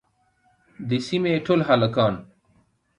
د سيمې ټول هلکان